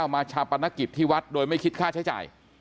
มาชาปัณหกิจที่วัฒน์โดยไม่คิดค่าใช้จ่าย